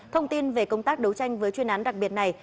thông tin về công tác đấu tranh với truy nãn đặc biệt này